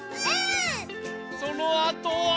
そのあとは。